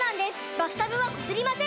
バスタブはこすりません！